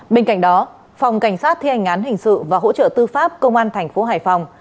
bên cạnh đó phòng cảnh sát thi hành án hình sự và hỗ trợ tư pháp công an thành phố hải phòng